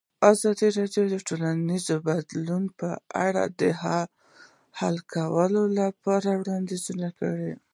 ازادي راډیو د ټولنیز بدلون په اړه د حل کولو لپاره وړاندیزونه کړي.